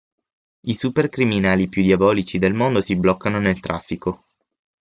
I supercriminali più diabolici del mondo si bloccano nel traffico.